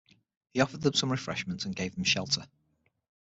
He offered them some refreshments and gave them shelter.